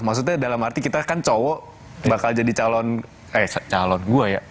maksudnya dalam arti kita kan cowok bakal jadi calon eh calon gue ya